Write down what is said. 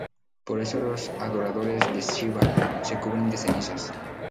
Por eso los adoradores de Shiva se cubren de cenizas.